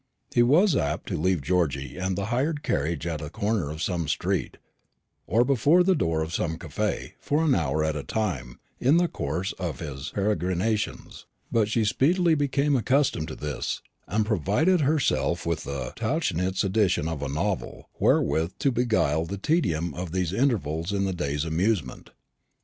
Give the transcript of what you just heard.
He was apt to leave Georgy and the hired carriage at the corner of some street, or before the door of some cafe, for an hour at a time, in the course of his peregrinations; but she speedily became accustomed to this, and provided herself with the Tauchnitz edition of a novel, wherewith to beguile the tedium of these intervals in the day's amusement.